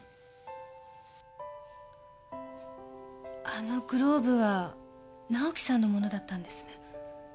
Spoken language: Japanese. あのグローブは直季さんのものだったんですね？